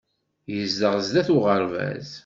Yezdeɣ sdat uɣerbaz.